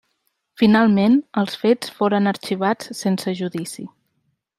Finalment, els fets foren arxivats sense judici.